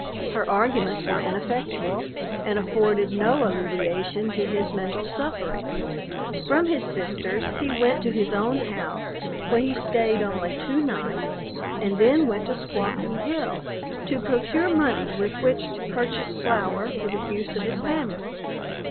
Her arguments were ineffectual, and afforded no alleviation to his mental sufferings. From his sister's, he went to his own house, where he stayed only two nights, and then went to Squawky Hill to procure money, with which to purchase flour for the use of his family.